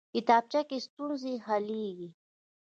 کتابچه کې ستونزې حلېږي